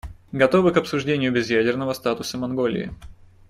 Готовы к обсуждению безъядерного статуса Монголии.